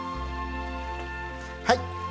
はい。